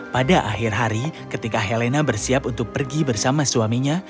pada akhir hari ketika helena bersiap untuk pergi bersama suaminya